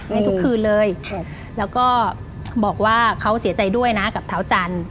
ในทุกคืนเลยแล้วก็บอกว่าเขาเสียใจด้วยนะกับเท้าจันทร์